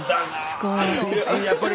すごーい。